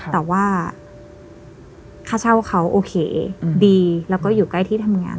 แต่ว่าค่าเช่าเขาโอเคดีแล้วก็อยู่ใกล้ที่ทำงาน